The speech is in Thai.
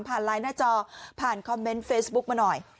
ไลน์หน้าจอผ่านคอมเมนต์เฟซบุ๊กมาหน่อย